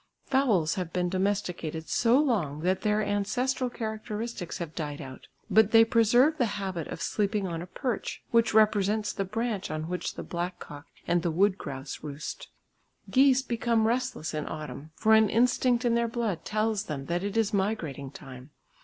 Fowls have been domesticated so long that their ancestral characteristics have died out, but they preserve the habit of sleeping on a perch which represents the branch on which the black cock and the wood grouse roost. Geese become restless in autumn, for an instinct in their blood tells them that it is migrating time.